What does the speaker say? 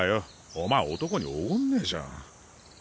お前男におごんねぇじゃん。